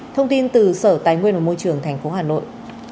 thông tin từ sở tài nguyên và môi trường tp hà nội